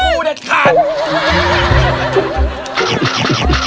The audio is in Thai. โอเคโอเคค่ะโอเค